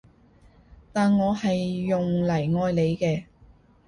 但我係用嚟愛你嘅